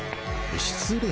失礼！